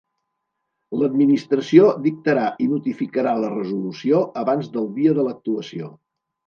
L'Administració dictarà i notificarà la resolució abans del dia de l'actuació.